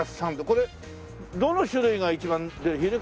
これどの種類が一番出る？